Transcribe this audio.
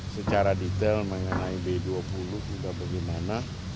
secara detail mengenai b dua puluh juga bagaimana